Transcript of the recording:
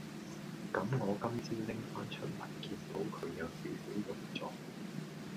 咁我每朝拎返出嚟係見到佢有少少溶咗